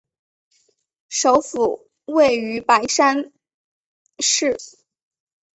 首府位于白山市。